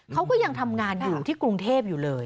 เขาก็ยังทำงานอยู่ที่กรุงเทพอยู่เลย